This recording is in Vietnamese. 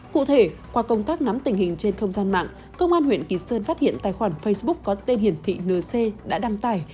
cụ thể qua công tác nắm tình hình trên không gian mạng công an huyện kỳ sơn phát hiện tài khoản facebook có tên hiển thị nc đã đăng tải